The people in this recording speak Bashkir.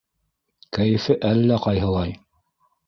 Кәйефе әллә ҡайһылай.